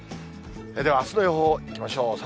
では、あすの予報いきましょう。